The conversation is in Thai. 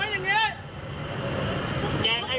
มันตีกูเหรอเมื่อกี้